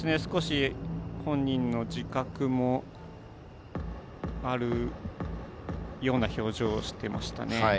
本人も自覚があるような表情をしていましたね。